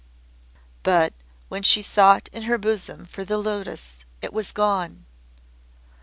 "But when she sought in her bosom for the Lotos it was gone.